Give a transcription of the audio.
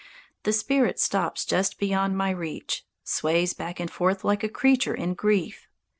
The spirit stops just beyond my reach, sways back and forth like a creature in grief.